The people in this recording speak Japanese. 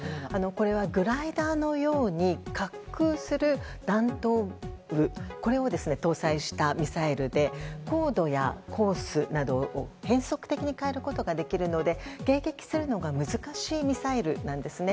これはグライダーのように滑空する弾頭部を搭載したミサイルで高度やコースなどを変則的に変えることができるので迎撃するのが難しいミサイルなんですね。